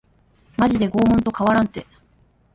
マジで拷問と変わらんて